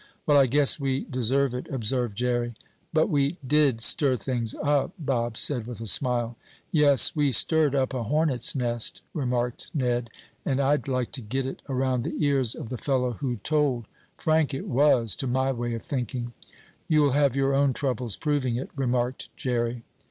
"Well, I guess we deserve it," observed Jerry. "But we did stir things up," Bob said, with a smile. "Yes, we stirred up a hornet's nest," remarked Ned. "And I'd like to get it around the ears of the fellow who told Frank it was, to my way of thinking." "You'll have your own troubles proving it," remarked Jerry.